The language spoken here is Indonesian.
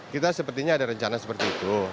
kita sepertinya ada rencana seperti itu